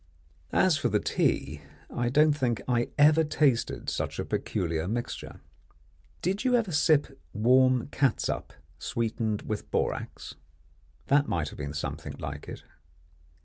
As for the tea, I don't think I ever tasted such a peculiar mixture. Did you ever sip warm catsup sweetened with borax? That might have been something like it.